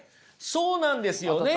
そうなんですよね！